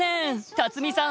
辰巳さん